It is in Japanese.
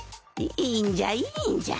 いいんじゃいいんじゃ。